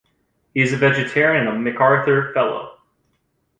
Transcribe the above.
He is a vegetarian and a MacArthur fellow.